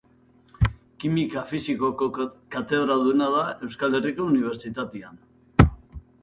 Kimika Fisikoko katedraduna da Euskal Herriko Unibertsitatean.